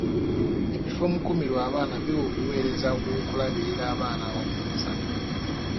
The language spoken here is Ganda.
Ebifo omukuumirwa abaana biwa obuweereza bw'okulabirira abaana abato emisana.